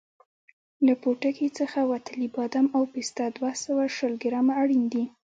له پوټکي څخه وتلي بادام او پسته دوه سوه شل ګرامه اړین دي.